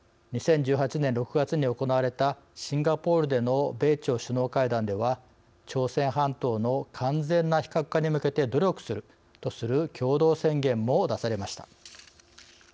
２０１８年６月に行われたシンガポールでの米朝首脳会談では朝鮮半島の完全な非核化に向けて努力するとする共同宣言も出されました。